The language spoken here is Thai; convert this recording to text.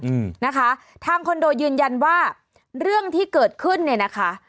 อืมนะคะทางคอนโดยืนยันว่าเรื่องที่เกิดขึ้นเนี่ยนะคะ